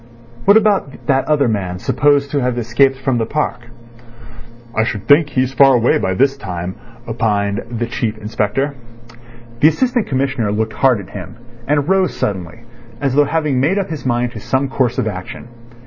"What about that other man supposed to have escaped from the park?" "I should think he's far away by this time," opined the Chief Inspector. The Assistant Commissioner looked hard at him, and rose suddenly, as though having made up his mind to some course of action.